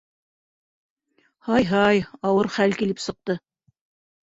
— Һай, һай, ауыр хәл килеп сыҡты.